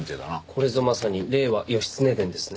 これぞまさに『令和義経伝』ですね。